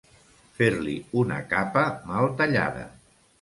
Fer-li una capa mal tallada.